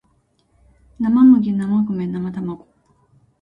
生麦生米生たまご